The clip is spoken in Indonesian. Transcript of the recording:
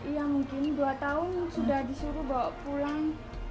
ya mungkin dua tahun sudah disuruh bawa pulang